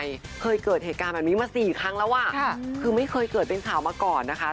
มา๔ครั้งแล้วอะคือไม่เคยเกิดเป็นข่าวมาก่อนนะคะ